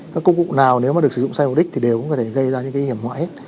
các công cụ nào nếu mà được sử dụng sai mục đích thì đều cũng có thể gây ra những hiểm ngoại hết